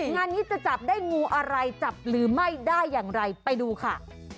งานนี้จะจับได้งูอะไรจับหรือไม่ได้อย่างไรไปดูค่ะ